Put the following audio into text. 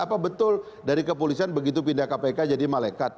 apa betul dari kepolisian begitu pindah kpk jadi malekat